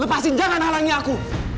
lepasin jangan halangi aku